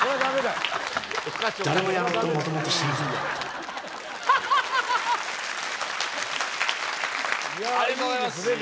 ありがとうございます。